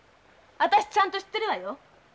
私ちゃんと知ってるわよ！